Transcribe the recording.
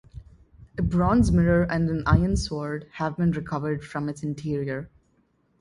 A bronze mirror and an iron sword have been recovered from its interior.